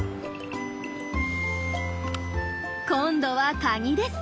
今度はカニです。